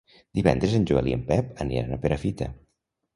Divendres en Joel i en Pep aniran a Perafita.